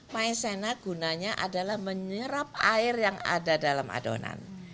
maizena gunanya adalah menyerap air yang ada dalam adonan